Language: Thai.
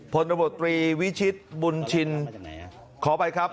ผลตรวจตรีวิชิตบุญชินขอไปครับ